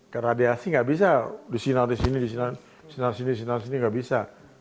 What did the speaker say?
keradiasi nggak bisa disinal disini disinal sini disinal sini nggak bisa